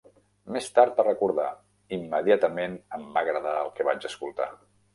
Més tard va recordar: Immediatament em va agradar el que vaig escoltar.